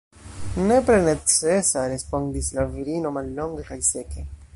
Nepre necesa, respondis la virino mallonge kaj seke.